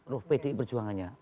ruh pdi perjuangannya